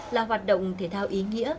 là hoạt động thể thao ý nghĩa